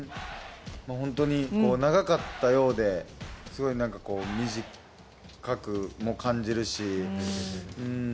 長かったようですごく短くも感じるし。